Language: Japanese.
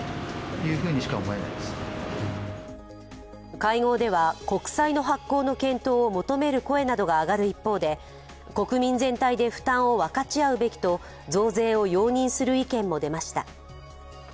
会合では国債の発行の検討を求める声などが上がる一方で、国民全体で負担を分かち合うべきと増税を容認する意見も出ました。